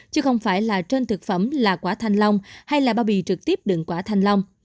chứ không phải là trên thực phẩm là quả thanh long hay là bao bì trực tiếp đựng quả thanh long